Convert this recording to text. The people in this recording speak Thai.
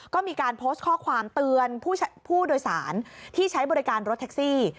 ก็มีการโพสต์ข้อความเตือนผู้โดยสารที่ใช้บริการรถแท็กซี่